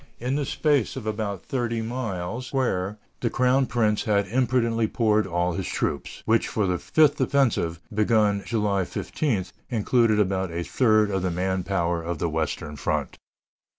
In a space about thirty miles square the crown prince had imprudently poured all his troops, which, for the fifth offensive, begun July 15, included about a third of the man power of the western front.